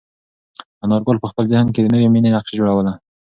انارګل په خپل ذهن کې د نوې مېنې نقشه جوړوله.